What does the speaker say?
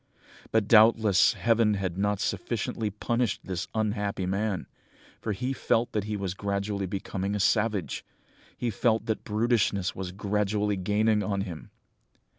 "But doubtless Heaven had not sufficiently punished this unhappy man, for he felt that he was gradually becoming a savage! He felt that brutishness was gradually gaining on him!